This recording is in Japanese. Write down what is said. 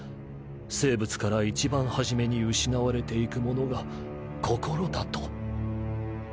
生物から一番初めに失われていくものが心だと。